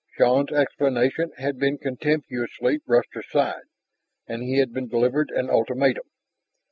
Shann's explanation had been contemptuously brushed aside, and he had been delivered an ultimatum.